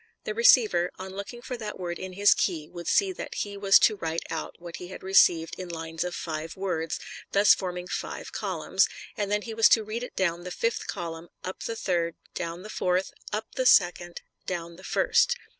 The receiver, on looking for that word in his key, would see that he was to write out what he had received in lines of five words, thus forming five columns; and then he was to read it down the fifth column, up the third, down the fourth, up the second, down the first.